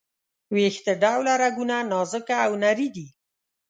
ویښته ډوله رګونه نازکه او نري دي.